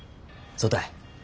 そうたい。